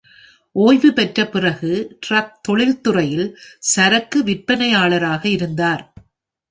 ஓய்வு பெற்றபிறகு, டிரக் தொழில்துறையில் சரக்கு விற்பனையாளராக இருந்தார்.